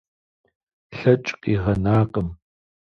Лъэкӏ къигъэнакъым.